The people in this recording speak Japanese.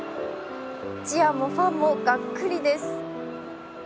チアもファンもがっくりです。